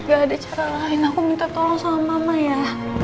gak ada cara lain aku minta tolong sama mama ya